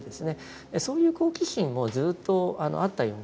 そういう好奇心もずっとあったような気がいたします。